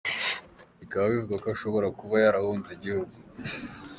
Bikaba bivugwa ko ashobora kuba yarahunze igihugu.